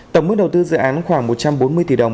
tổng mức đầu tư dự án khoảng một trăm bốn mươi tỷ đồng